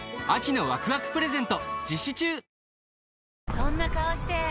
そんな顔して！